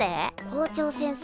校長先生